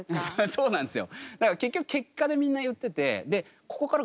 そうなんですよ。